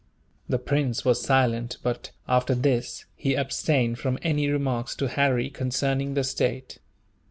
The prince was silent but, after this, he abstained from any remarks to Harry concerning the state.